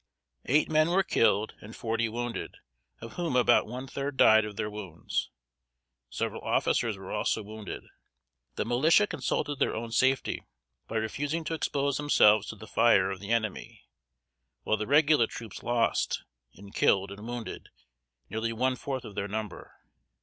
Eight men were killed and forty wounded, of whom about one third died of their wounds. Several officers were also wounded. The militia consulted their own safety by refusing to expose themselves to the fire of the enemy; while the regular troops lost, in killed and wounded, nearly one fourth of their number.